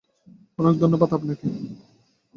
অনেক ধন্যবাদ আপনাকে।